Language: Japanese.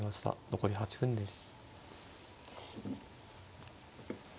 残り８分です。